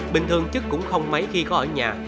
bình thường chức cũng không mấy khi có ở nhà